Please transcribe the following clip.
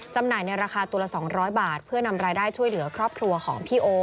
จำหน่ายในราคาตัวละ๒๐๐บาทเพื่อนำรายได้ช่วยเหลือครอบครัวของพี่โอ